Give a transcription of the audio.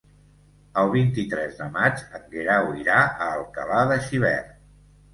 El vint-i-tres de maig en Guerau irà a Alcalà de Xivert.